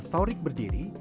saat thorik berdiri